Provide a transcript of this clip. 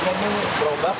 artinya ini jerobak